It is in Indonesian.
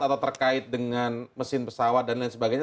atau terkait dengan mesin pesawat dan lain sebagainya